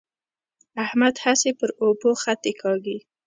احمد هسې پر اوبو خطې کاږي.